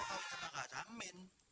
maaf pak amin